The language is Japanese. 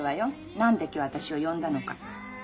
何で今日私を呼んだのか。